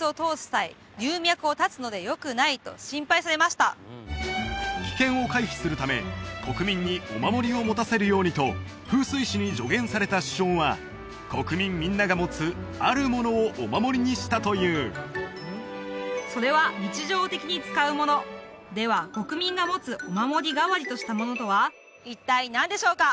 シンガポール大躍進の影にある風水から「危険を回避するため国民にお守りを持たせるように」と風水師に助言された首相は国民みんなが持つあるものをお守りにしたというそれは日常的に使うもの！では国民が持つお守り代わりとしたものとは一体何でしょうか？